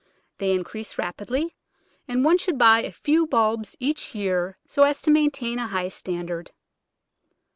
They increase rapidly, and one should buy a few bulbs each year so as to maintain a high standard.